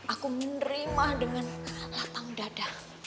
aku menerima dengan lapang dada